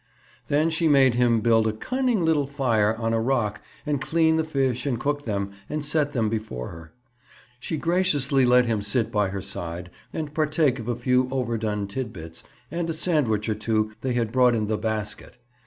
Then she made him build a "cunning little fire" on a rock and clean the fish and cook them and set them before her. She graciously let him sit by her side and partake of a few overdone titbits and a sandwich or two they had brought in the basket.